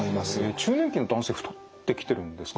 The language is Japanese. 中年期の男性太ってきてるんですか？